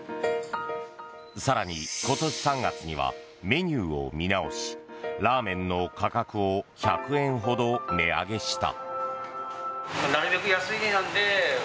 更に今年３月にはメニューを見直しラーメンの価格を１００円ほど値上げした。